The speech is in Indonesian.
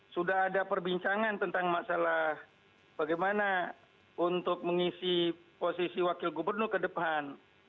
sudah ada perbincangan tentang masalah bagaimana untuk mengisi posisi wakil gubernur ke depan